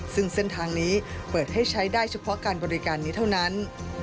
ซึ่งเส้นทางนี้เปิดให้ใช้ได้เฉพาะการบริการนี้เท่านั้น